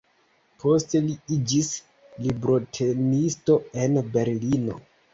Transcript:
Poste li iĝis librotenisto en Berlino.